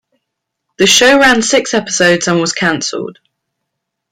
The show ran six episodes and was cancelled.